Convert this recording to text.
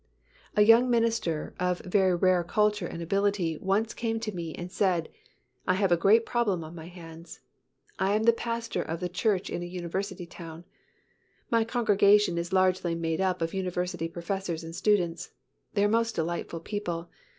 A young minister of very rare culture and ability once came to me and said, "I have a great problem on my hands. I am the pastor of the church in a university town. My congregation is largely made up of university professors and students. They are most delightful people.